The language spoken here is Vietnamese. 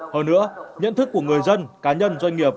hơn nữa nhận thức của người dân cá nhân doanh nghiệp